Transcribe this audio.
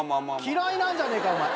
嫌いなんじゃねえか。